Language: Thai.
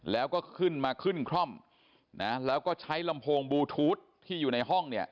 แล้วก็ขึ้นมาขึ้นคร่อมนะแล้วก็ใช้ลำโพงบลูทูธที่อยู่ในห้องเนี่ย